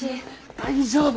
大丈夫。